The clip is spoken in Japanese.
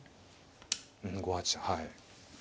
うん５八飛車はい。